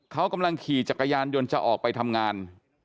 เขากำลังขี่จักรยานยนต์จะออกไปทำงาน